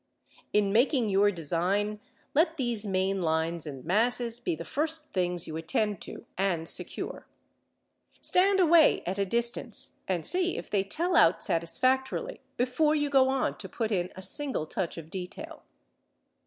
In making your design, let these main lines and masses be the first things you attend to, and secure. Stand away at a distance, and see if they tell out satisfactorily, before you go on to put in a single touch of detail.